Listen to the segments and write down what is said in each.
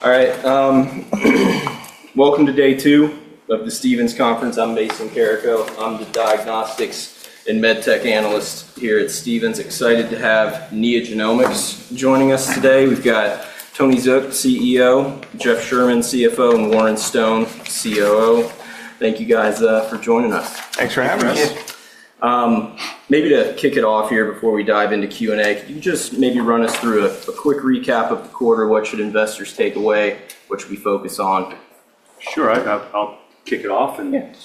All right. Welcome to day two of the Stephens Conference. I'm Mason Carrico. I'm the diagnostics and medtech analyst here at Stephens. Excited to have NeoGenomics joining us today. We've got Tony Zook, CEO, Jeff Sherman, CFO, and Warren Stone, COO. Thank you, guys, for joining us. Thanks for having us. Maybe to kick it off here before we dive into Q&A, could you just maybe run us through a quick recap of the quarter? What should investors take away? What should we focus on? Sure. I'll kick it off.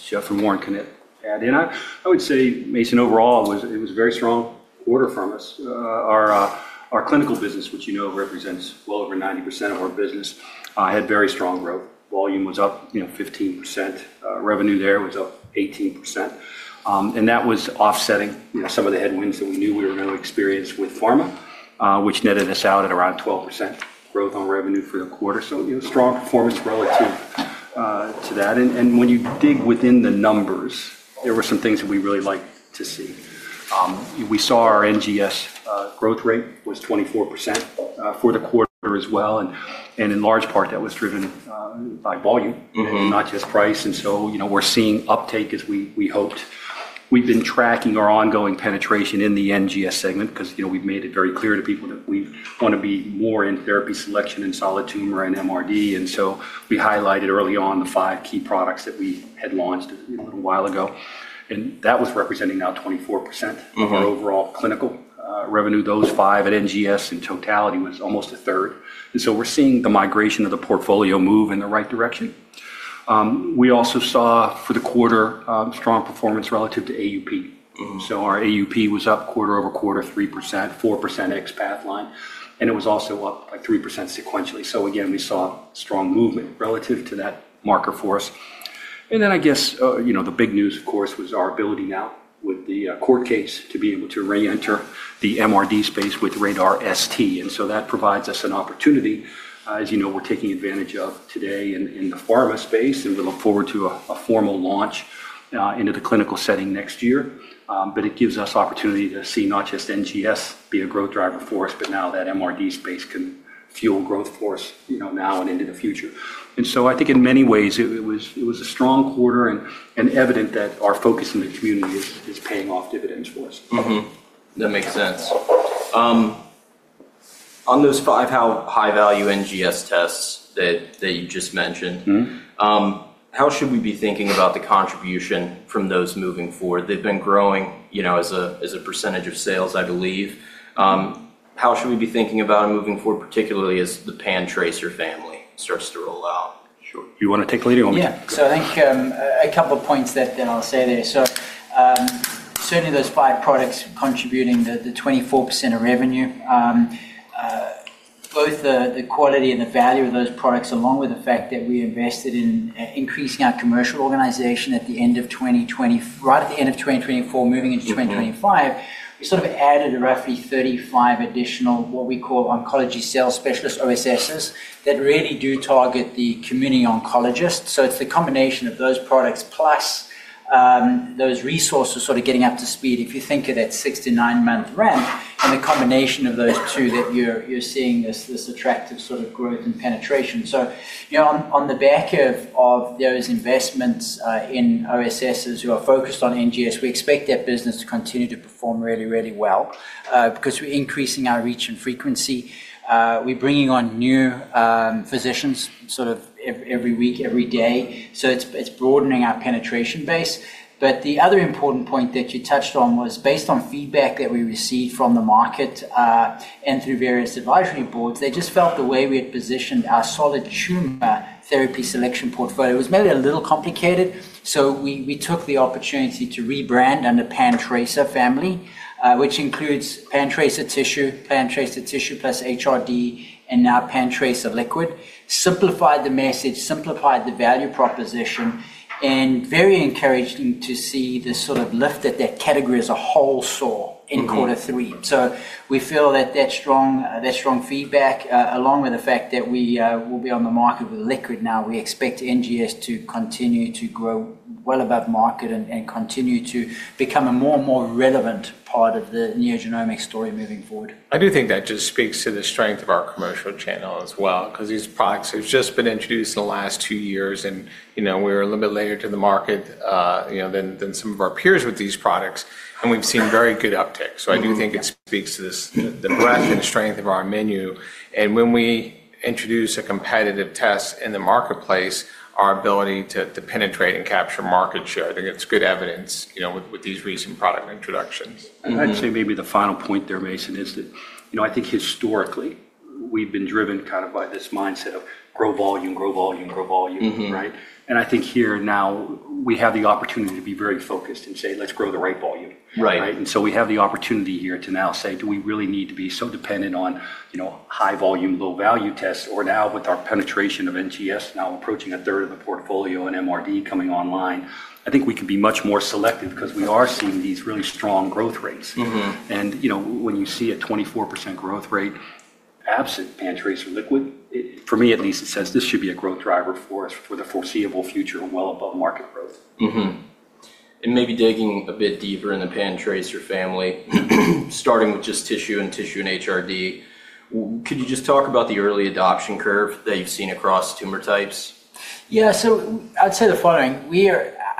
Jeff or Warren can add in. I would say, Mason, overall, it was a very strong quarter for us. Our clinical business, which you know represents well over 90% of our business, had very strong growth. Volume was up 15%. Revenue there was up 18%. That was offsetting some of the headwinds that we knew we were going to experience with pharma, which netted us out at around 12% growth on revenue for the quarter. Strong performance relative to that. When you dig within the numbers, there were some things that we really liked to see. We saw our NGS growth rate was 24% for the quarter as well. In large part, that was driven by volume, not just price. We are seeing uptake as we hoped. We've been tracking our ongoing penetration in the NGS segment because we've made it very clear to people that we want to be more in therapy selection and solid tumor and MRD. We highlighted early on the five key products that we had launched a little while ago. That was representing now 24% of our overall clinical revenue. Those five at NGS in totality was almost a third. We are seeing the migration of the portfolio move in the right direction. We also saw for the quarter strong performance relative to AUP. Our AUP was up quarter over quarter, 3%-4% X Pathline. It was also up by 3% sequentially. Again, we saw strong movement relative to that marker for us. I guess the big news, of course, was our ability now with the court case to be able to re-enter the MRD space with RaDaR ST. That provides us an opportunity. As you know, we're taking advantage of today in the pharma space. We look forward to a formal launch into the clinical setting next year. It gives us opportunity to see not just NGS be a growth driver for us, but now that MRD space can fuel growth for us now and into the future. I think in many ways, it was a strong quarter and evident that our focus in the community is paying off dividends for us. That makes sense. On those five high-value NGS tests that you just mentioned, how should we be thinking about the contribution from those moving forward? They've been growing as a percentage of sales, I believe. How should we be thinking about it moving forward, particularly as the PanTracer family starts to roll out? Sure. You want to take the lead or want me to? Yeah. I think a couple of points that I'll say there. Certainly those five products contributing to the 24% of revenue. Both the quality and the value of those products, along with the fact that we invested in increasing our commercial organization at the end of 2020, right at the end of 2024, moving into 2025, we sort of added roughly 35 additional what we call oncology sales specialists, OSSs, that really do target the community oncologists. It's the combination of those products plus those resources sort of getting up to speed. If you think of that six to nine-month ramp and the combination of those two that you're seeing this attractive sort of growth and penetration. On the back of those investments in OSSs who are focused on NGS, we expect that business to continue to perform really, really well because we're increasing our reach and frequency. We're bringing on new physicians sort of every week, every day. It's broadening our penetration base. The other important point that you touched on was based on feedback that we received from the market and through various advisory boards, they just felt the way we had positioned our solid tumor therapy selection portfolio was maybe a little complicated. We took the opportunity to rebrand under PanTracer family, which includes PanTracer Tissue, PanTracer Tissue + HRD, and now PanTracer LBx. Simplified the message, simplified the value proposition, and very encouraging to see the sort of lift that that category as a whole saw in quarter three. We feel that that strong feedback, along with the fact that we will be on the market with liquid now, we expect NGS to continue to grow well above market and continue to become a more and more relevant part of the NeoGenomics story moving forward. I do think that just speaks to the strength of our commercial channel as well because these products have just been introduced in the last two years. We were a little bit later to the market than some of our peers with these products. We have seen very good uptake. I do think it speaks to the breadth and strength of our menu. When we introduce a competitive test in the marketplace, our ability to penetrate and capture market share, I think it is good evidence with these recent product introductions. I'd say maybe the final point there, Mason, is that I think historically, we've been driven kind of by this mindset of grow volume, grow volume, grow volume, right? I think here now we have the opportunity to be very focused and say, "Let's grow the right volume." We have the opportunity here to now say, "Do we really need to be so dependent on high-volume, low-value tests?" Or now with our penetration of NGS, now approaching a third of the portfolio and MRD coming online, I think we can be much more selective because we are seeing these really strong growth rates. When you see a 24% growth rate absent PanTracer LBx, for me at least, it says this should be a growth driver for us for the foreseeable future and well above market growth. Maybe digging a bit deeper in the PanTracer family, starting with just tissue and tissue and HRD, could you just talk about the early adoption curve that you've seen across tumor types? Yeah. I'd say the following.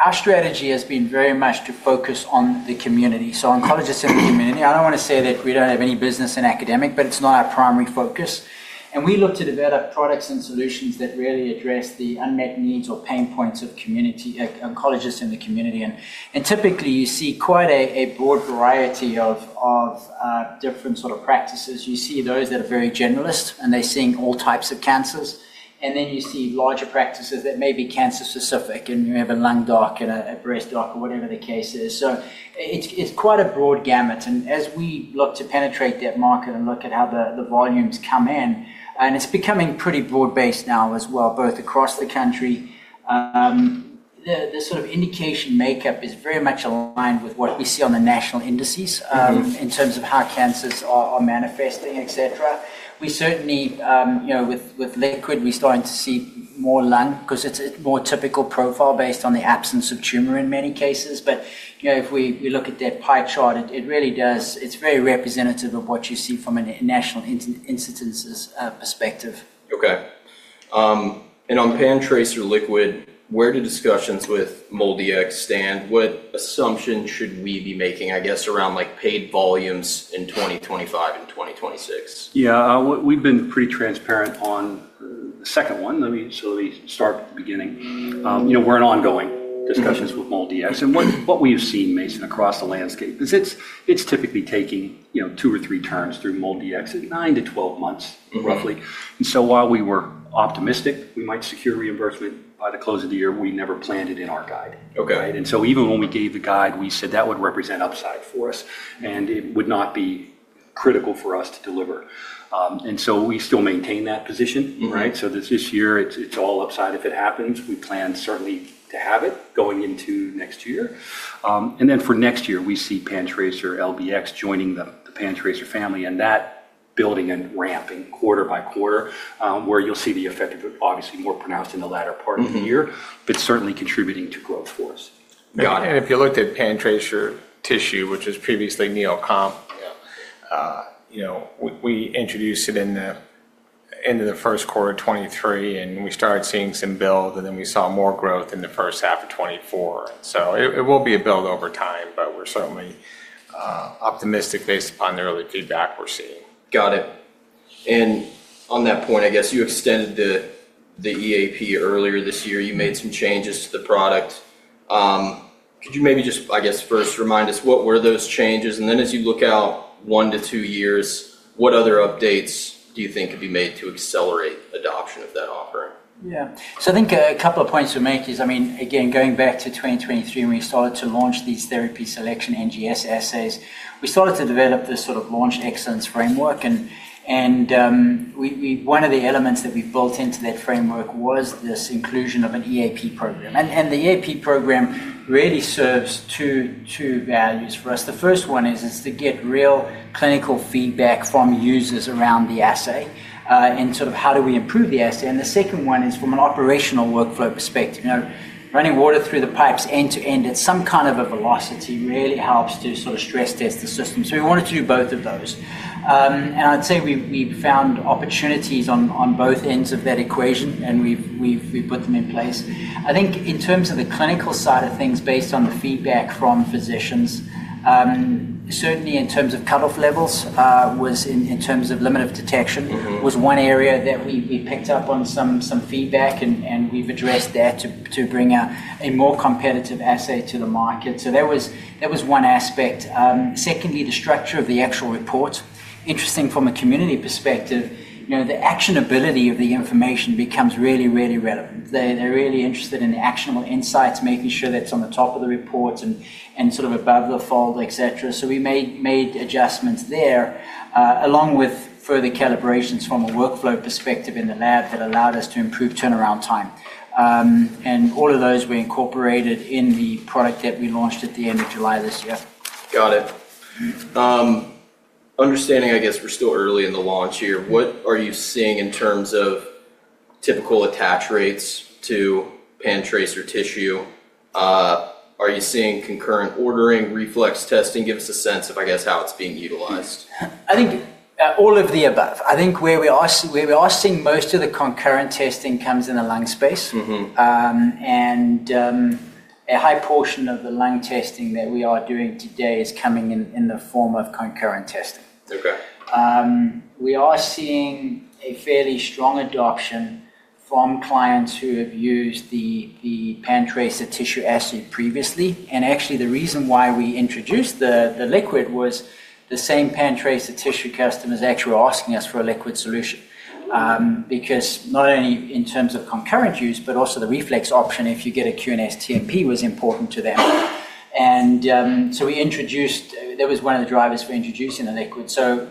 Our strategy has been very much to focus on the community, so oncologists in the community. I don't want to say that we don't have any business in academic, but it's not our primary focus. We look to develop products and solutions that really address the unmet needs or pain points of oncologists in the community. Typically, you see quite a broad variety of different sort of practices. You see those that are very generalist, and they're seeing all types of cancers. Then you see larger practices that may be cancer-specific, and you have a lung doc and a breast doc or whatever the case is. It's quite a broad gamut. As we look to penetrate that market and look at how the volumes come in, it's becoming pretty broad-based now as well, both across the country. The sort of indication makeup is very much aligned with what we see on the national indices in terms of how cancers are manifesting, etc. We certainly, with liquid, we're starting to see more lung because it's a more typical profile based on the absence of tumor in many cases. If we look at that pie chart, it really does, it's very representative of what you see from a national incidences perspective. Okay. On PanTracer LBx, where do discussions with MolDX stand? What assumptions should we be making, I guess, around paid volumes in 2025 and 2026? Yeah. We've been pretty transparent on the second one. Let me start at the beginning. We're in ongoing discussions with MolDX. What we have seen, Mason, across the landscape is it's typically taking two or three turns through MolDX at 9-12 months, roughly. While we were optimistic we might secure reimbursement by the close of the year, we never planned it in our guide. Even when we gave the guide, we said that would represent upside for us, and it would not be critical for us to deliver. We still maintain that position, right? This year, it's all upside if it happens. We plan certainly to have it going into next year. For next year, we see PanTracer LBx joining the PanTracer family and that building and ramping quarter by quarter, where you'll see the effect, obviously, more pronounced in the latter part of the year, but certainly contributing to growth for us. Got it. If you looked at PanTracer Tissue, which was previously Neocomp, we introduced it in the end of the first quarter of 2023, and we started seeing some build, and then we saw more growth in the first half of 2024. It will be a build over time, but we're certainly optimistic based upon the early feedback we're seeing. Got it. On that point, I guess you extended the EAP earlier this year. You made some changes to the product. Could you maybe just, I guess, first remind us what were those changes? As you look out one to two years, what other updates do you think could be made to accelerate adoption of that offering? Yeah. I think a couple of points to make is, I mean, again, going back to 2023, when we started to launch these therapy selection NGS assays, we started to develop this sort of launch excellence framework. One of the elements that we've built into that framework was this inclusion of an EAP program. The EAP program really serves two values for us. The first one is to get real clinical feedback from users around the assay and sort of how do we improve the assay. The second one is from an operational workflow perspective. Running water through the pipes end to end at some kind of a velocity really helps to sort of stress test the system. We wanted to do both of those. I'd say we found opportunities on both ends of that equation, and we put them in place. I think in terms of the clinical side of things, based on the feedback from physicians, certainly in terms of cutoff levels, in terms of limit of detection, was one area that we picked up on some feedback, and we've addressed that to bring a more competitive assay to the market. That was one aspect. Secondly, the structure of the actual report. Interesting from a community perspective, the actionability of the information becomes really, really relevant. They're really interested in the actionable insights, making sure that's on the top of the reports and sort of above the fold, etc. We made adjustments there, along with further calibrations from a workflow perspective in the lab that allowed us to improve turnaround time. All of those were incorporated in the product that we launched at the end of July this year. Got it. Understanding, I guess, we're still early in the launch here. What are you seeing in terms of typical attach rates to PanTracer Tissue? Are you seeing concurrent ordering, reflex testing? Give us a sense of, I guess, how it's being utilized. I think all of the above. I think where we are seeing most of the concurrent testing comes in the lung space. A high portion of the lung testing that we are doing today is coming in the form of concurrent testing. We are seeing a fairly strong adoption from clients who have used the PanTracer Tissue assay previously. Actually, the reason why we introduced the liquid was the same PanTracer Tissue customers actually were asking us for a liquid solution because not only in terms of concurrent use, but also the reflex option if you get a QNS TMP was important to them. That was one of the drivers for introducing the liquid.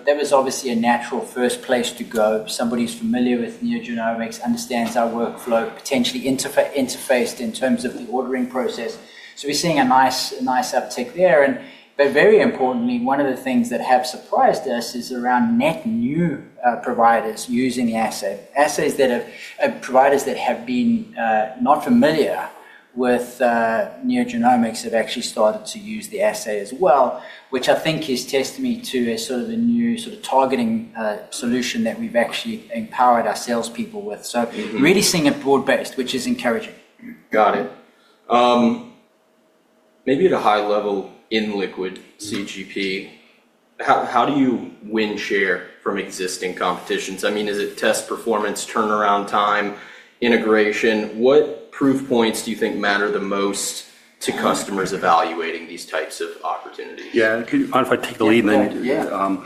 That was obviously a natural first place to go. Somebody who's familiar with NeoGenomics understands our workflow, potentially interfaced in terms of the ordering process. We're seeing a nice uptake there. Very importantly, one of the things that have surprised us is around net new providers using the assay. Assays that have providers that have been not familiar with NeoGenomics have actually started to use the assay as well, which I think is testimony to a sort of a new sort of targeting solution that we've actually empowered our salespeople with. Really seeing it broad-based, which is encouraging. Got it. Maybe at a high level in liquid CGP, how do you win share from existing competitions? I mean, is it test performance, turnaround time, integration? What proof points do you think matter the most to customers evaluating these types of opportunities? Yeah. If I take the lead and then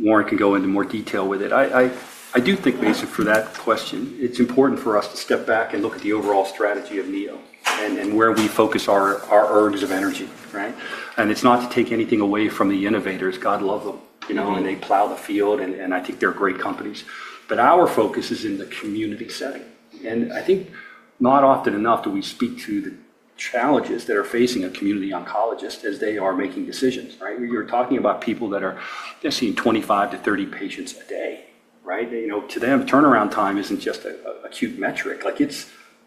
Warren can go into more detail with it. I do think, Mason, for that question, it's important for us to step back and look at the overall strategy of Neo and where we focus our urge of energy, right? It's not to take anything away from the innovators. God love them, and they plow the field, and I think they're great companies. Our focus is in the community setting. I think not often enough do we speak to the challenges that are facing a community oncologist as they are making decisions, right? You're talking about people that are seeing 25-30 patients a day, right? To them, turnaround time isn't just an acute metric.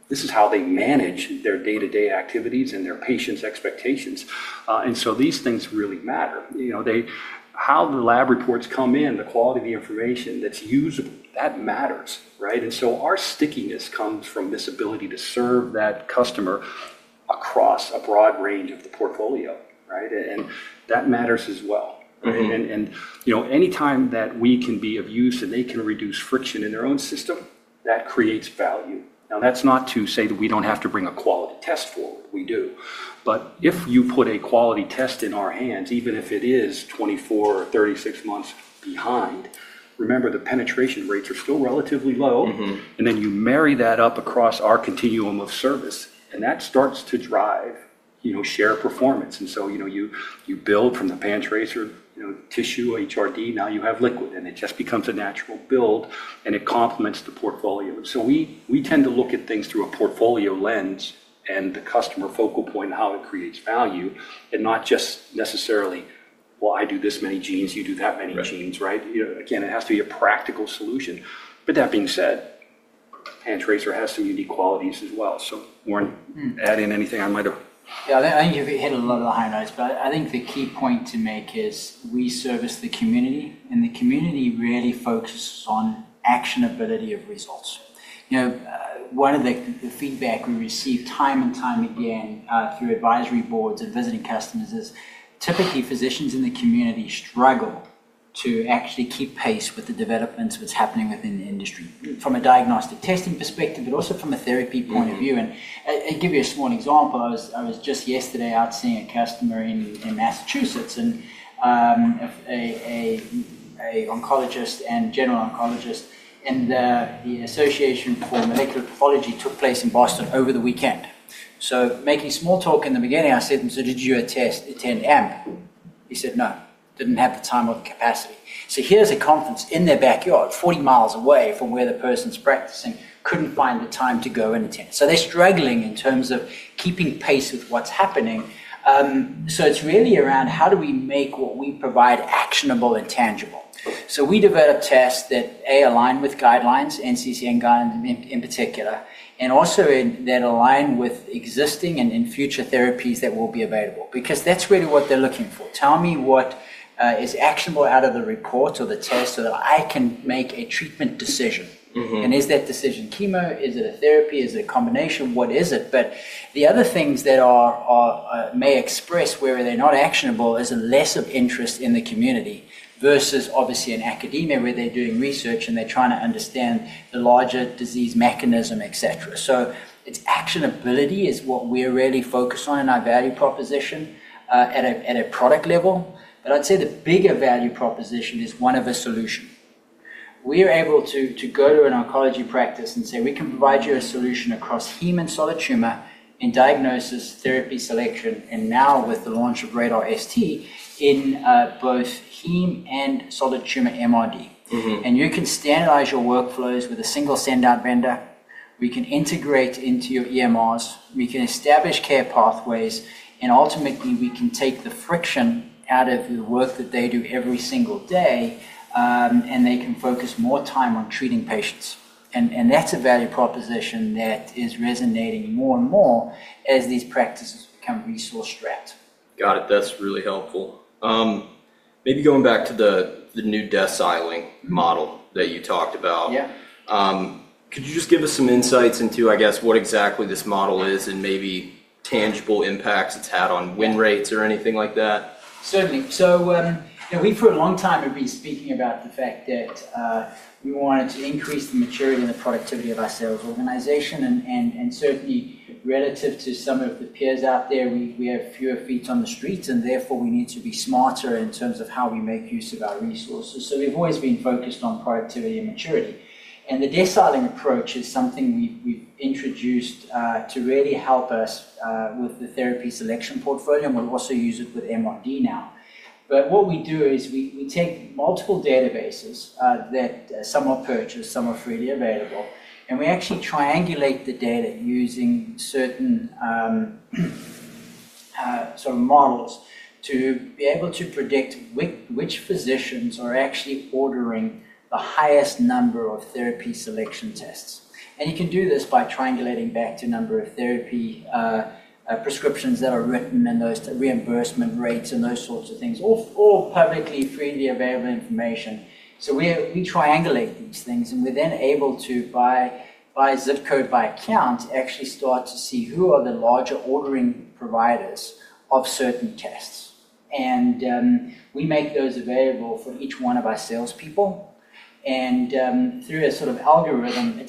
This is how they manage their day-to-day activities and their patients' expectations. These things really matter. How the lab reports come in, the quality of the information that's usable, that matters, right? Our stickiness comes from this ability to serve that customer across a broad range of the portfolio, right? That matters as well. Anytime that we can be of use and they can reduce friction in their own system, that creates value. That's not to say that we don't have to bring a quality test forward. We do. If you put a quality test in our hands, even if it is 24 or 36 months behind, remember the penetration rates are still relatively low. You marry that up across our continuum of service, and that starts to drive share performance. You build from the PanTracer Tissue, HRD, now you have liquid, and it just becomes a natural build, and it complements the portfolio. We tend to look at things through a portfolio lens and the customer focal point and how it creates value and not just necessarily, "Well, I do this many genes, you do that many genes," right? Again, it has to be a practical solution. That being said, PanTracer has some unique qualities as well. Warren, add in anything I might have. Yeah. I think you've hit a lot of the highlights, but I think the key point to make is we service the community, and the community really focuses on actionability of results. One of the feedback we receive time and time again through advisory boards and visiting customers is typically physicians in the community struggle to actually keep pace with the developments that's happening within the industry from a diagnostic testing perspective, but also from a therapy point of view. I'll give you a small example. I was just yesterday out seeing a customer in Massachusetts, an oncologist and general oncologist, and the Association for Molecular Pathology took place in Boston over the weekend. Making small talk in the beginning, I said to him, "So did you attend AMP?" He said, "No. Didn't have the time or the capacity. Here's a conference in their backyard, 40 mi away from where the person's practicing, couldn't find the time to go and attend. They're struggling in terms of keeping pace with what's happening. It's really around how do we make what we provide actionable and tangible. We develop tests that, A, align with guidelines, NCCN guidelines in particular, and also that align with existing and in future therapies that will be available because that's really what they're looking for. Tell me what is actionable out of the reports or the tests so that I can make a treatment decision. Is that decision chemo? Is it a therapy? Is it a combination? What is it? The other things that may express where they're not actionable is a less of interest in the community versus obviously in academia where they're doing research and they're trying to understand the larger disease mechanism, etc. Its actionability is what we're really focused on in our value proposition at a product level. I'd say the bigger value proposition is one of a solution. We're able to go to an oncology practice and say, "We can provide you a solution across heme and solid tumor in diagnosis, therapy selection, and now with the launch of RaDaR ST in both heme and solid tumor MRD." You can standardize your workflows with a single standout vendor. We can integrate into your EMRs. We can establish care pathways. Ultimately, we can take the friction out of the work that they do every single day, and they can focus more time on treating patients. That is a value proposition that is resonating more and more as these practices become resource-strapped. Got it. That's really helpful. Maybe going back to the new desiloing model that you talked about, could you just give us some insights into, I guess, what exactly this model is and maybe tangible impacts it's had on win rates or anything like that? Certainly. We for a long time have been speaking about the fact that we wanted to increase the maturity and the productivity of our sales organization. Certainly, relative to some of the peers out there, we have fewer feet on the street, and therefore we need to be smarter in terms of how we make use of our resources. We have always been focused on productivity and maturity. The desiling approach is something we have introduced to really help us with the therapy selection portfolio, and we will also use it with MRD now. What we do is we take multiple databases that some are purchased, some are freely available, and we actually triangulate the data using certain sort of models to be able to predict which physicians are actually ordering the highest number of therapy selection tests. You can do this by triangulating back to number of therapy prescriptions that are written and those reimbursement rates and those sorts of things, all publicly freely available information. We triangulate these things, and we're then able to, by zip code, by account, actually start to see who are the larger ordering providers of certain tests. We make those available for each one of our salespeople. Through a sort of algorithm,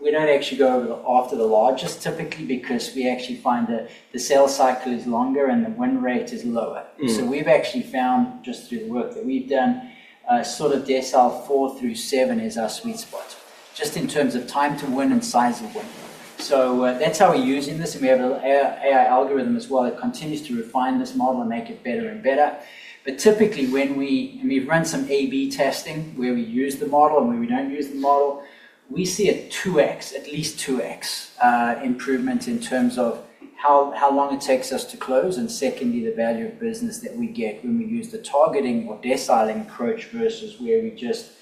we do not actually go after the largest typically because we actually find that the sales cycle is longer and the win rate is lower. We have actually found, just through the work that we have done, sort of decile four through seven is our sweet spot just in terms of time to win and size of win. That is how we are using this. We have an AI algorithm as well that continues to refine this model and make it better and better. Typically, when we've run some A/B testing where we use the model and where we do not use the model, we see a 2x, at least 2x improvement in terms of how long it takes us to close and, secondly, the value of business that we get when we use the targeting or desiling approach versus where we just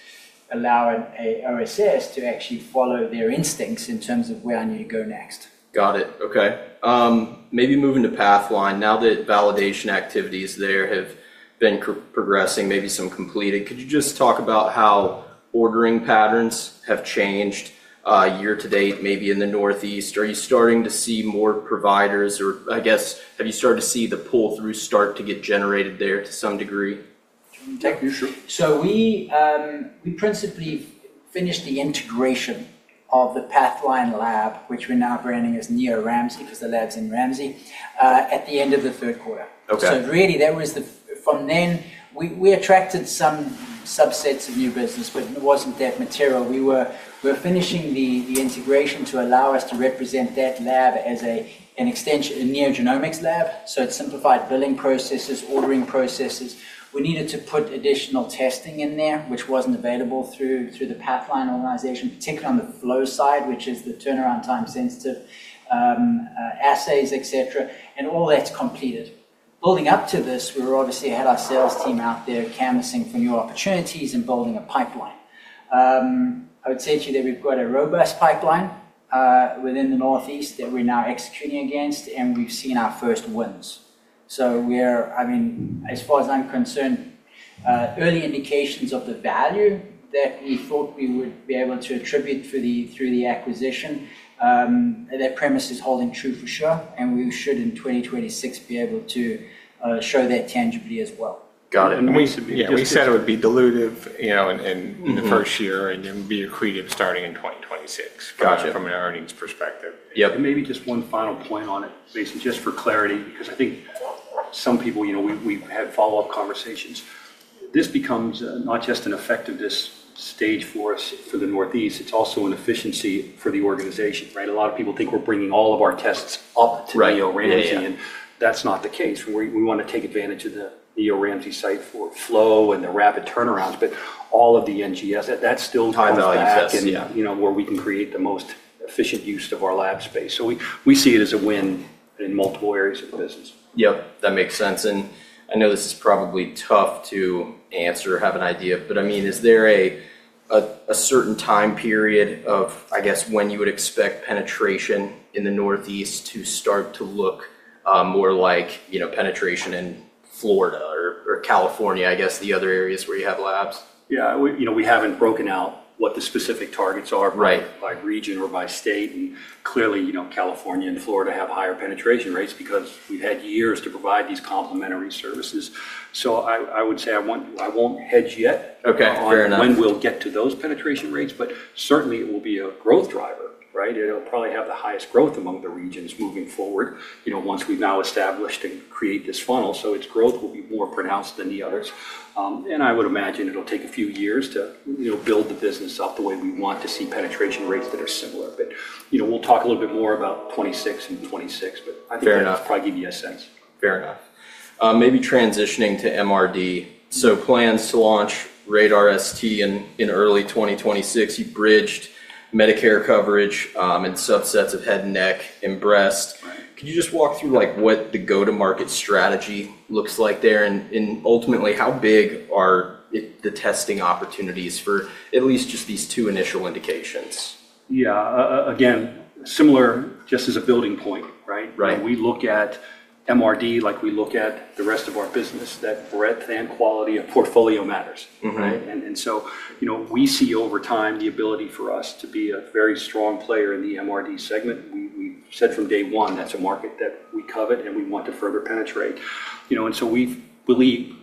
allow an OSS to actually follow their instincts in terms of where I need to go next. Got it. Okay. Maybe moving to Pathline. Now that validation activities there have been progressing, maybe some completed, could you just talk about how ordering patterns have changed year to date, maybe in the Northeast? Are you starting to see more providers, or I guess, have you started to see the pull-through start to get generated there to some degree? We principally finished the integration of the Pathline lab, which we're now branding as NeoRamsey because the lab's in Ramsey, at the end of the third quarter. Really, from then, we attracted some subsets of new business, but it wasn't that material. We were finishing the integration to allow us to represent that lab as an extension, a NeoGenomics lab. It simplified billing processes, ordering processes. We needed to put additional testing in there, which wasn't available through the Pathline organization, particularly on the flow side, which is the turnaround time sensitive assays, etc. All that's completed. Building up to this, we obviously had our sales team out there canvassing for new opportunities and building a pipeline. I would say to you that we've got a robust pipeline within the Northeast that we're now executing against, and we've seen our first wins. I mean, as far as I'm concerned, early indications of the value that we thought we would be able to attribute through the acquisition, that premise is holding true for sure. We should, in 2026, be able to show that tangibly as well. Got it. We said it would be dilutive in the first year, and it would be accretive starting in 2026 from an earnings perspective. Yeah. Maybe just one final point on it, Mason, just for clarity, because I think some people, we've had follow-up conversations. This becomes not just an effectiveness stage for us for the Northeast. It's also an efficiency for the organization, right? A lot of people think we're bringing all of our tests up to NeoRamsey, and that's not the case. We want to take advantage of the NeoRamsey site for flow and the rapid turnarounds, but all of the NGS, that's still top value where we can create the most efficient use of our lab space. We see it as a win in multiple areas of business. Yep. That makes sense. I know this is probably tough to answer or have an idea, but I mean, is there a certain time period of, I guess, when you would expect penetration in the Northeast to start to look more like penetration in Florida or California, I guess, the other areas where you have labs? Yeah. We haven't broken out what the specific targets are by region or by state. Clearly, California and Florida have higher penetration rates because we've had years to provide these complementary services. I would say I won't hedge yet on when we'll get to those penetration rates, but certainly, it will be a growth driver, right? It'll probably have the highest growth among the regions moving forward once we've now established and created this funnel. Its growth will be more pronounced than the others. I would imagine it'll take a few years to build the business up the way we want to see penetration rates that are similar. We'll talk a little bit more about 2026 and 2026, but I think that'll probably give you a sense. Fair enough. Maybe transitioning to MRD. Plans to launch RaDaR ST in early 2026. You bridged Medicare coverage and subsets of head and neck and breast. Can you just walk through what the go-to-market strategy looks like there? Ultimately, how big are the testing opportunities for at least just these two initial indications? Yeah. Again, similar just as a building point, right? We look at MRD like we look at the rest of our business. That breadth and quality of portfolio matters, right? We see over time the ability for us to be a very strong player in the MRD segment. We said from day one, that's a market that we covet, and we want to further penetrate. We believe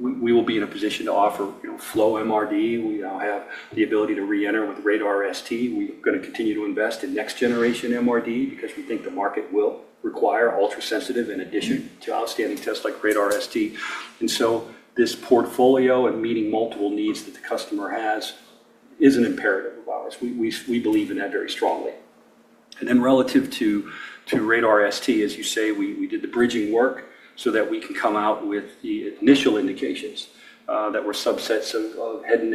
we will be in a position to offer flow MRD. We now have the ability to re-enter with RaDaR ST. We're going to continue to invest in next-generation MRD because we think the market will require ultra-sensitive in addition to outstanding tests like RaDaR ST. This portfolio and meeting multiple needs that the customer has is an imperative of ours. We believe in that very strongly. Relative to RaDaR ST, as you say, we did the bridging work so that we can come out with the initial indications that were subsets of head and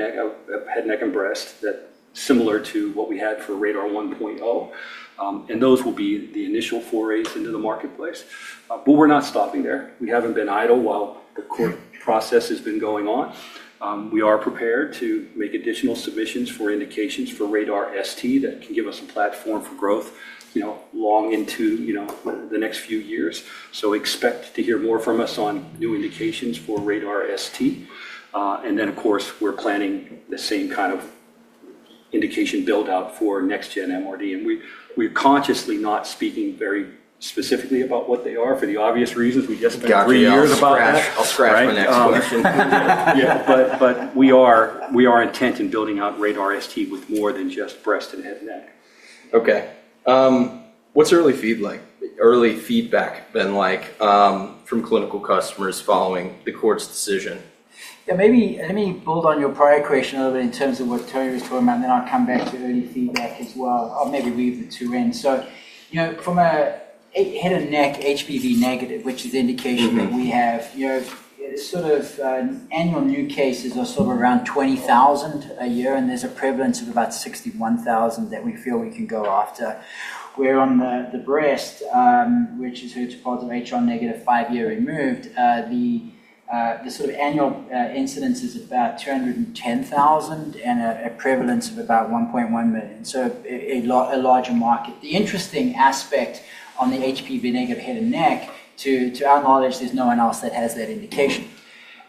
neck and breast that are similar to what we had for RaDar 1.0. Those will be the initial forays into the marketplace. We are not stopping there. We have not been idle while the court process has been going on. We are prepared to make additional submissions for indications for RaDaR ST that can give us a platform for growth long into the next few years. Expect to hear more from us on new indications for RaDaR ST. Of course, we are planning the same kind of indication build-out for next-gen MRD. We are consciously not speaking very specifically about what they are for the obvious reasons. We just spent three years about that. I'll scratch my next question. Yeah. We are intent in building out RaDaR ST with more than just breast and head and neck. Okay. What's early feedback been like from clinical customers following the court's decision? Yeah. Let me build on your prior question a little bit in terms of what Tony was talking about, and then I'll come back to early feedback as well. I'll maybe weave the two in. From a head and neck HPV negative, which is the indication that we have, sort of annual new cases are around 20,000 a year, and there's a prevalence of about 61,000 that we feel we can go after. Where on the breast, which is HER2 positive HR negative five-year removed, the annual incidence is about 210,000 and a prevalence of about 1.1 million. A larger market. The interesting aspect on the HPV negative head and neck, to our knowledge, there's no one else that has that indication.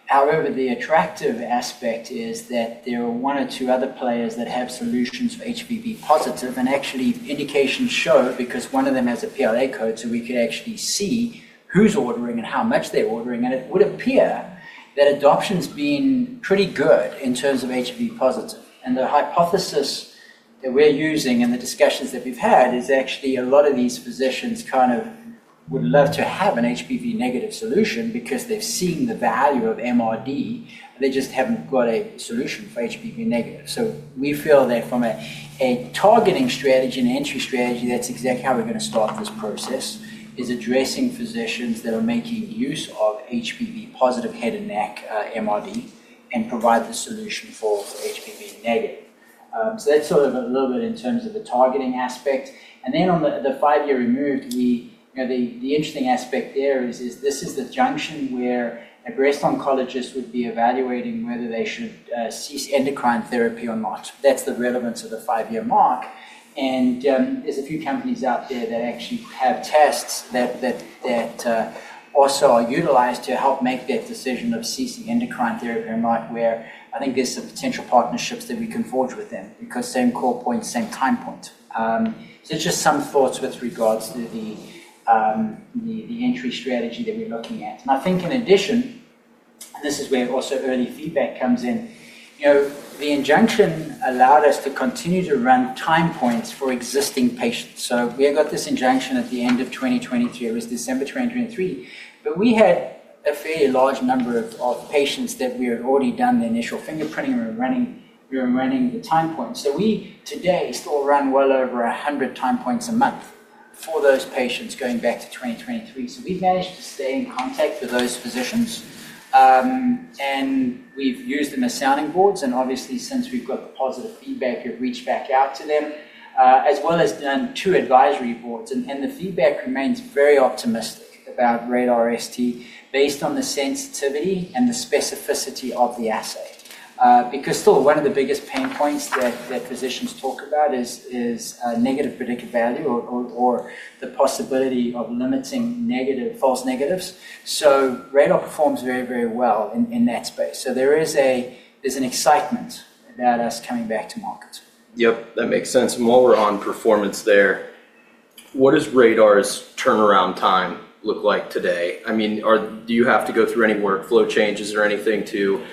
However, the attractive aspect is that there are one or two other players that have solutions for HPV positive. Actually, indications show because one of them has a PLA code, we could actually see who's ordering and how much they're ordering. It would appear that adoption's been pretty good in terms of HPV positive. The hypothesis that we're using and the discussions that we've had is actually a lot of these physicians kind of would love to have an HPV negative solution because they've seen the value of MRD. They just haven't got a solution for HPV negative. We feel that from a targeting strategy and entry strategy, that's exactly how we're going to start this process, addressing physicians that are making use of HPV positive head and neck MRD and provide the solution for HPV negative. That's sort of a little bit in terms of the targeting aspect. On the five-year removed, the interesting aspect there is this is the junction where a breast oncologist would be evaluating whether they should cease endocrine therapy or not. That is the relevance of the five-year mark. There are a few companies out there that actually have tests that also are utilized to help make that decision of ceasing endocrine therapy or not, where I think there is some potential partnerships that we can forge with them because same core point, same time point. Just some thoughts with regards to the entry strategy that we are looking at. I think in addition, and this is where also early feedback comes in, the injunction allowed us to continue to run time points for existing patients. We got this injunction at the end of 2023. It was December 2023, but we had a fairly large number of patients that we had already done the initial fingerprinting and we were running the time points. We today still run well over 100 time points a month for those patients going back to 2023. We have managed to stay in contact with those physicians, and we have used them as sounding boards. Obviously, since we have got the positive feedback, we have reached back out to them, as well as done two advisory boards. The feedback remains very optimistic about RaDaR ST based on the sensitivity and the specificity of the assay. One of the biggest pain points that physicians talk about is negative predictive value or the possibility of limiting false negatives. RaDaR performs very, very well in that space. There is an excitement about us coming back to market. Yep. That makes sense. While we're on performance there, what does RaDaR's turnaround time look like today? I mean, do you have to go through any workflow changes or anything to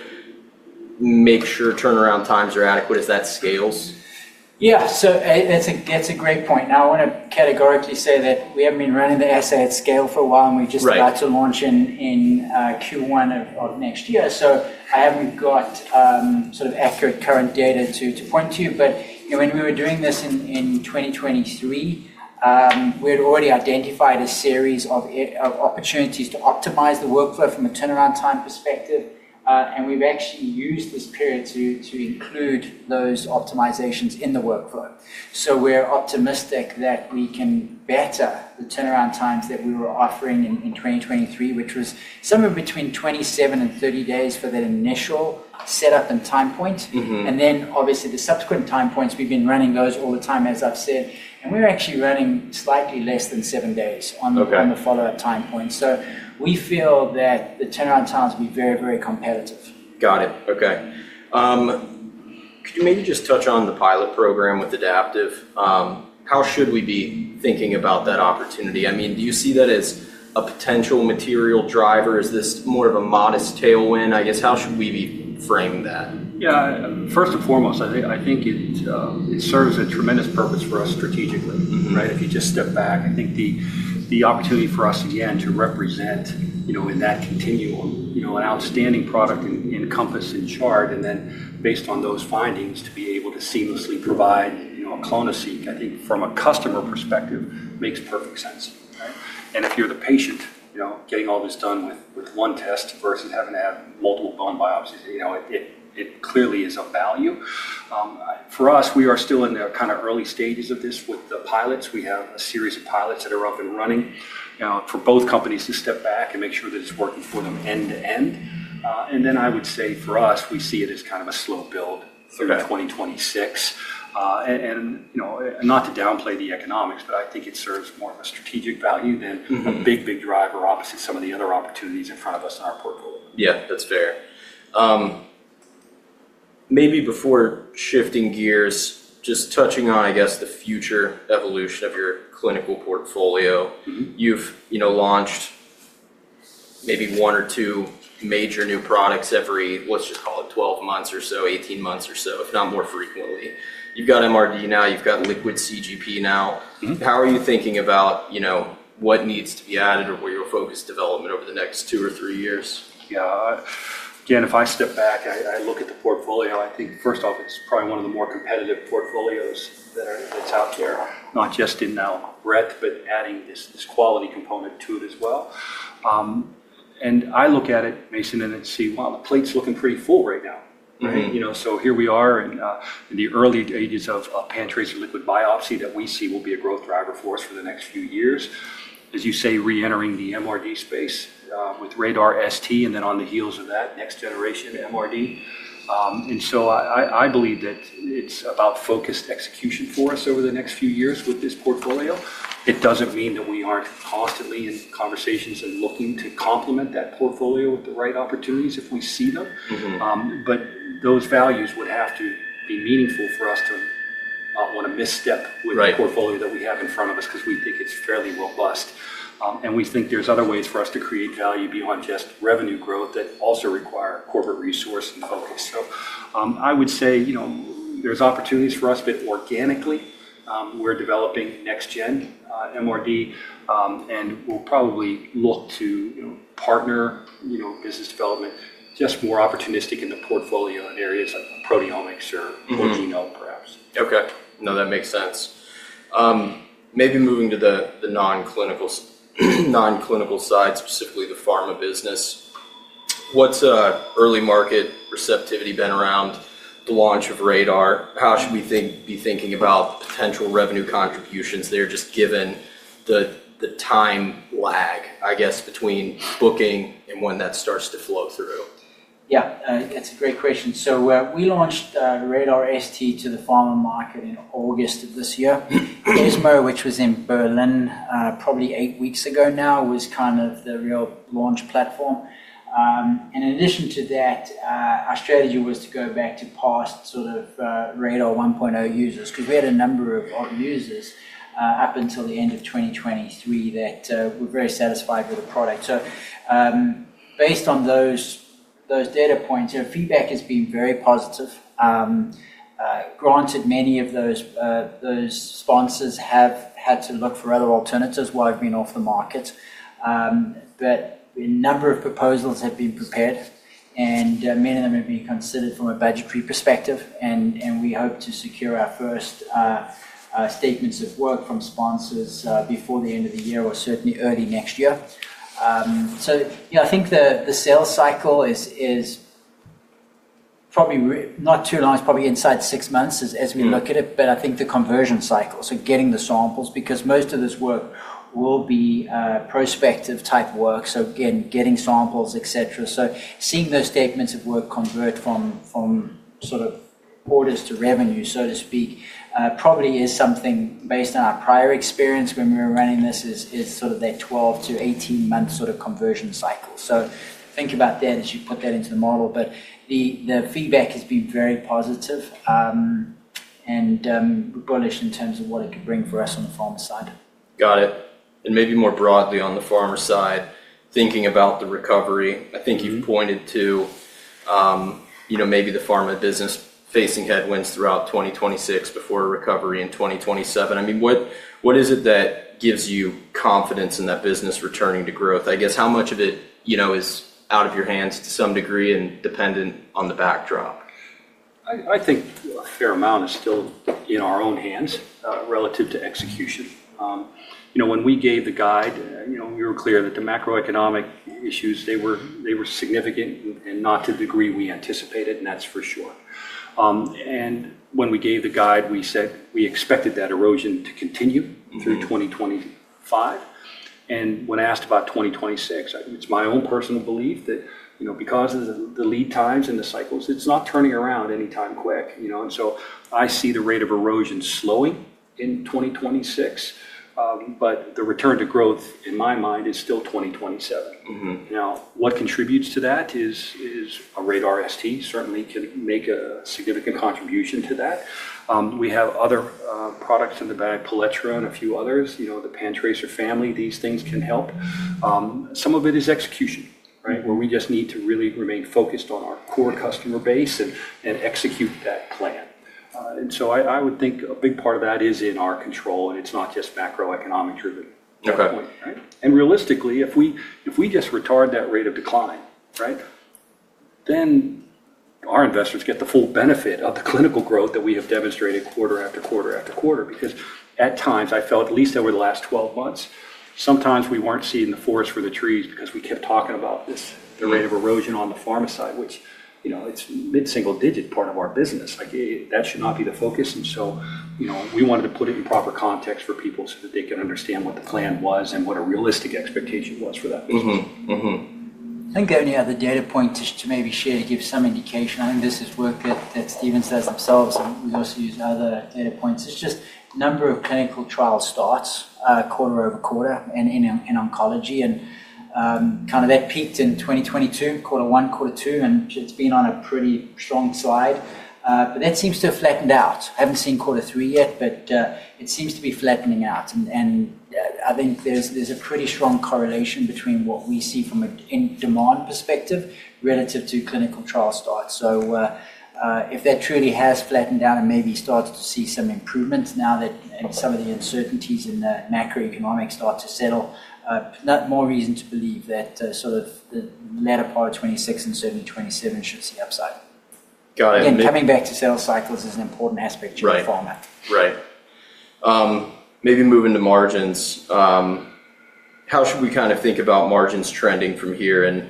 make sure turnaround times are adequate as that scales? Yeah. That's a great point. I want to categorically say that we have been running the assay at scale for a while, and we just got to launch in Q1 of next year. I haven't got sort of accurate current data to point to. When we were doing this in 2023, we had already identified a series of opportunities to optimize the workflow from a turnaround time perspective. We've actually used this period to include those optimizations in the workflow. We're optimistic that we can better the turnaround times that we were offering in 2023, which was somewhere between 27-30 days for that initial setup and time point. Obviously, the subsequent time points, we've been running those all the time, as I've said. We're actually running slightly less than seven days on the follow-up time point. We feel that the turnaround times will be very, very competitive. Got it. Okay. Could you maybe just touch on the pilot program with Adaptive? How should we be thinking about that opportunity? I mean, do you see that as a potential material driver? Is this more of a modest tailwind? I guess, how should we be framing that? Yeah. First and foremost, I think it serves a tremendous purpose for us strategically, right? If you just step back, I think the opportunity for us, again, to represent in that continuum an outstanding product in Compass and Chart, and then based on those findings, to be able to seamlessly provide a clonoSEQ, I think from a customer perspective, makes perfect sense, right? If you're the patient getting all this done with one test versus having to have multiple bone biopsies, it clearly is of value. For us, we are still in the kind of early stages of this with the pilots. We have a series of pilots that are up and running for both companies to step back and make sure that it's working for them end to end. I would say for us, we see it as kind of a slow build through 2026. Not to downplay the economics, but I think it serves more of a strategic value than a big, big driver opposite some of the other opportunities in front of us in our portfolio. Yeah. That's fair. Maybe before shifting gears, just touching on, I guess, the future evolution of your clinical portfolio. You've launched maybe one or two major new products every, let's just call it 12 months or so, 18 months or so, if not more frequently. You've got MRD now. You've got liquid CGP now. How are you thinking about what needs to be added or where you'll focus development over the next two or three years? Yeah. Again, if I step back, I look at the portfolio. I think, first off, it's probably one of the more competitive portfolios that's out there, not just in breadth, but adding this quality component to it as well. I look at it, Mason, and then see, the plate's looking pretty full right now, right? Here we are in the early days of PanTracer and liquid biopsy that we see will be a growth driver for us for the next few years, as you say, re-entering the MRD space with RaDaR ST and then on the heels of that, next-generation MRD. I believe that it's about focused execution for us over the next few years with this portfolio. It doesn't mean that we aren't constantly in conversations and looking to complement that portfolio with the right opportunities if we see them. Those values would have to be meaningful for us to want to misstep with the portfolio that we have in front of us because we think it's fairly robust. We think there's other ways for us to create value beyond just revenue growth that also require corporate resource and focus. I would say there's opportunities for us, but organically, we're developing next-gen MRD, and we'll probably look to partner business development just more opportunistic in the portfolio areas of proteomics or genome perhaps. Okay. No, that makes sense. Maybe moving to the non-clinical side, specifically the pharma business. What's early market receptivity been around the launch of RaDar? How should we be thinking about potential revenue contributions there just given the time lag, I guess, between booking and when that starts to flow through? Yeah. That's a great question. We launched RaDaR ST to the pharma market in August of this year. ESMO, which was in Berlin probably eight weeks ago now, was kind of the real launch platform. In addition to that, our strategy was to go back to past sort of RaDar 1.0 users because we had a number of users up until the end of 2023 that were very satisfied with the product. Based on those data points, our feedback has been very positive. Granted, many of those sponsors have had to look for other alternatives while we've been off the market. A number of proposals have been prepared, and many of them have been considered from a budgetary perspective. We hope to secure our first statements of work from sponsors before the end of the year or certainly early next year. Yeah, I think the sales cycle is probably not too long, it's probably inside six months as we look at it. I think the conversion cycle, so getting the samples, because most of this work will be prospective type work. Again, getting samples, etc. Seeing those statements of work convert from sort of orders to revenue, so to speak, probably is something based on our prior experience when we were running this is sort of that 12- to 18-month sort of conversion cycle. Think about that as you put that into the model. The feedback has been very positive and bullish in terms of what it could bring for us on the pharma side. Got it. Maybe more broadly on the pharma side, thinking about the recovery, I think you've pointed to maybe the pharma business facing headwinds throughout 2026 before recovery in 2027. I mean, what is it that gives you confidence in that business returning to growth? I guess how much of it is out of your hands to some degree and dependent on the backdrop? I think a fair amount is still in our own hands relative to execution. When we gave the guide, we were clear that the macroeconomic issues, they were significant and not to the degree we anticipated, and that's for sure. When we gave the guide, we said we expected that erosion to continue through 2025. When asked about 2026, it's my own personal belief that because of the lead times and the cycles, it's not turning around anytime quick. I see the rate of erosion slowing in 2026, but the return to growth in my mind is still 2027. What contributes to that is RaDaR ST certainly can make a significant contribution to that. We have other products in the bag, Paletra and a few others, the PanTracer family. These things can help. Some of it is execution, right, where we just need to really remain focused on our core customer base and execute that plan. I would think a big part of that is in our control, and it's not just macroeconomic driven point, right? Realistically, if we just retard that rate of decline, right, then our investors get the full benefit of the clinical growth that we have demonstrated quarter after quarter after quarter. Because at times, I felt at least over the last 12 months, sometimes we weren't seeing the forest for the trees because we kept talking about the rate of erosion on the pharma side, which it's mid-single-digit part of our business. That should not be the focus. We wanted to put it in proper context for people so that they could understand what the plan was and what a realistic expectation was for that business. I think, yeah, the data point is to maybe share to give some indication. I think this is work that Stephens says themselves, and we also use other data points. It's just number of clinical trial starts quarter over quarter in oncology. That peaked in 2022, quarter one, quarter two, and it's been on a pretty strong slide. That seems to have flattened out. I haven't seen quarter three yet, but it seems to be flattening out. I think there's a pretty strong correlation between what we see from a demand perspective relative to clinical trial starts. If that truly has flattened out and maybe starts to see some improvements now that some of the uncertainties in the macroeconomics start to settle, more reason to believe that sort of the latter part of 2026 and certainly 2027 should see upside. Got it. Again, coming back to sales cycles is an important aspect to the pharma. Right. Right. Maybe moving to margins. How should we kind of think about margins trending from here?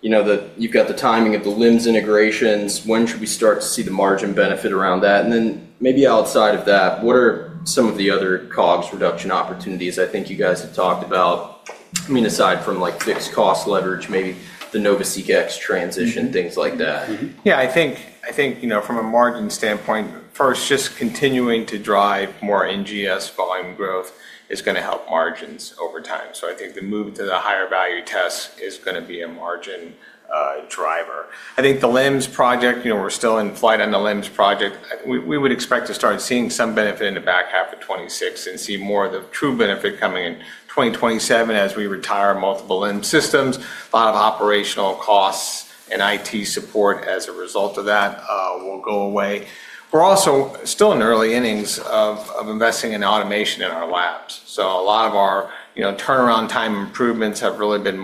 You have got the timing of the LIMS integrations. When should we start to see the margin benefit around that? Maybe outside of that, what are some of the other COGS reduction opportunities I think you guys have talked about? I mean, aside from fixed cost leverage, maybe the NovaSeq X transition, things like that. Yeah. I think from a margin standpoint, first, just continuing to drive more NGS volume growth is going to help margins over time. I think the move to the higher value test is going to be a margin driver. I think the LIMS project, we're still in flight on the LIMS project. We would expect to start seeing some benefit in the back half of 2026 and see more of the true benefit coming in 2027 as we retire multiple LIMS systems. A lot of operational costs and IT support as a result of that will go away. We're also still in the early innings of investing in automation in our labs. A lot of our turnaround time improvements have really been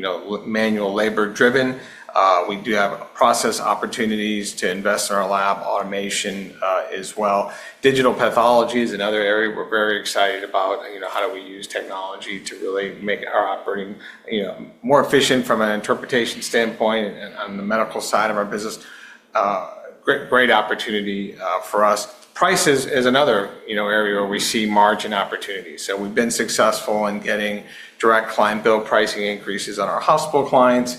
more manual labor driven. We do have process opportunities to invest in our lab automation as well. Digital pathologies and other areas we're very excited about. How do we use technology to really make our operating more efficient from an interpretation standpoint and on the medical side of our business? Great opportunity for us. Price is another area where we see margin opportunity. We have been successful in getting direct client bill pricing increases on our hospital clients.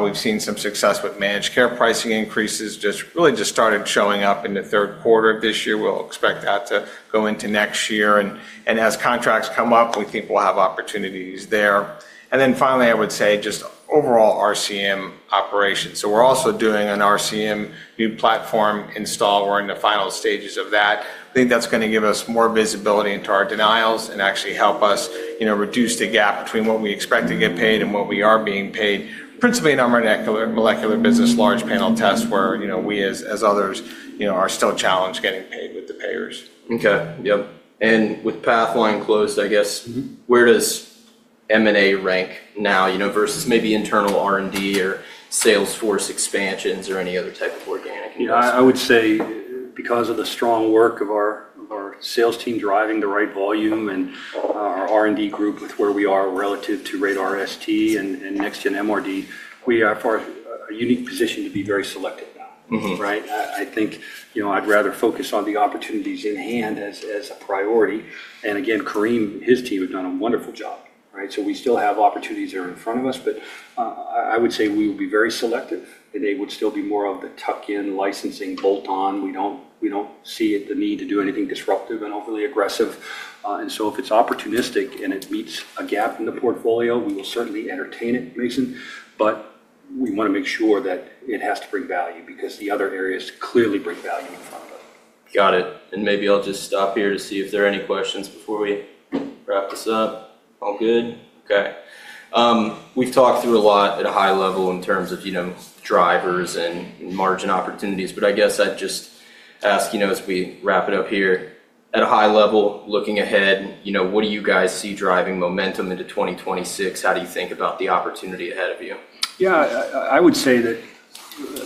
We have seen some success with managed care pricing increases just really just started showing up in the third quarter of this year. We will expect that to go into next year. As contracts come up, we think we will have opportunities there. Finally, I would say just overall RCM operations. We are also doing an RCM new platform install. We are in the final stages of that. I think that's going to give us more visibility into our denials and actually help us reduce the gap between what we expect to get paid and what we are being paid, principally in our molecular business large panel tests where we, as others, are still challenged getting paid with the payers. Okay. Yep. With Pathline closed, I guess, where does M&A rank now versus maybe internal R&D or Salesforce expansions or any other type of organic investment? Yeah. I would say because of the strong work of our sales team driving the right volume and our R&D group with where we are relative to RaDaR ST and next-gen MRD, we are in a unique position to be very selective now, right? I think I'd rather focus on the opportunities in hand as a priority. Again, Kareem, his team has done a wonderful job, right? We still have opportunities that are in front of us, but I would say we will be very selective. It would still be more of the tuck-in, licensing, bolt-on. We do not see the need to do anything disruptive and overly aggressive. If it is opportunistic and it meets a gap in the portfolio, we will certainly entertain it, Mason. We want to make sure that it has to bring value because the other areas clearly bring value in front of us. Got it. Maybe I'll just stop here to see if there are any questions before we wrap this up. All good? Okay. We've talked through a lot at a high level in terms of drivers and margin opportunities. I guess I'd just ask as we wrap it up here, at a high level, looking ahead, what do you guys see driving momentum into 2026? How do you think about the opportunity ahead of you? Yeah. I would say that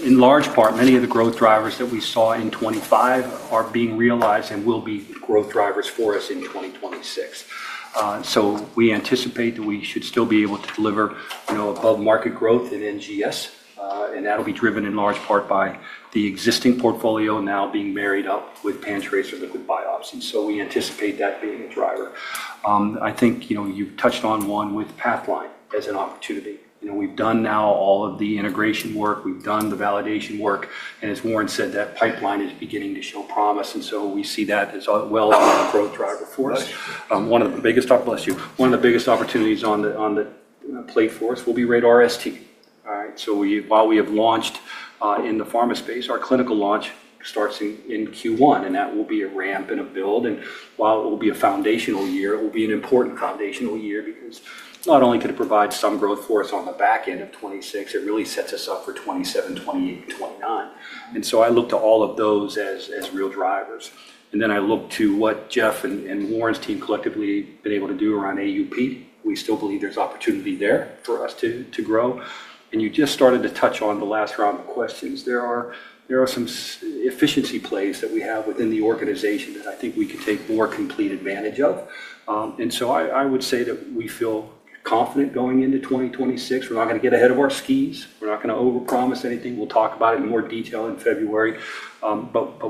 in large part, many of the growth drivers that we saw in 2025 are being realized and will be growth drivers for us in 2026. We anticipate that we should still be able to deliver above-market growth in NGS. That will be driven in large part by the existing portfolio now being married up with PanTracer LBx or liquid biopsy. We anticipate that being a driver. I think you've touched on one with Pathline as an opportunity. We've done now all of the integration work. We've done the validation work. As Warren said, that pipeline is beginning to show promise. We see that as well as a growth driver for us. One of the biggest—bless you—one of the biggest opportunities on the plate for us will be RaDaR ST. All right. While we have launched in the pharma space, our clinical launch starts in Q1, and that will be a ramp and a build. While it will be a foundational year, it will be an important foundational year because not only could it provide some growth for us on the back end of 2026, it really sets us up for 2027, 2028, and 2029. I look to all of those as real drivers. I look to what Jeff and Warren's team collectively have been able to do around AUP. We still believe there is opportunity there for us to grow. You just started to touch on the last round of questions. There are some efficiency plays that we have within the organization that I think we could take more complete advantage of. I would say that we feel confident going into 2026. We're not going to get ahead of our skis. We're not going to overpromise anything. We'll talk about it in more detail in February.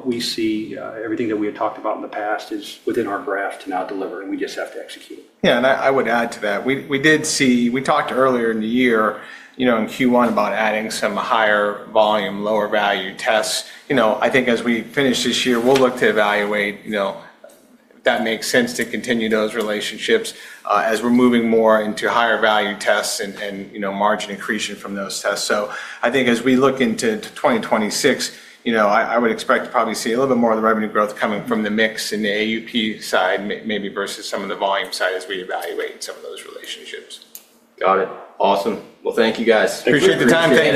We see everything that we had talked about in the past is within our grasp to now deliver, and we just have to execute. Yeah. I would add to that. We talked earlier in the year in Q1 about adding some higher volume, lower value tests. I think as we finish this year, we'll look to evaluate if that makes sense to continue those relationships as we're moving more into higher value tests and margin increasing from those tests. I think as we look into 2026, I would expect to probably see a little bit more of the revenue growth coming from the mix in the AUP side maybe versus some of the volume side as we evaluate some of those relationships. Got it. Awesome. Thank you, guys. Appreciate the time. Thank you.